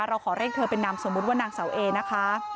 เราขอเรียกเธอเป็นนามสมมุติว่านางเสาเอนะคะ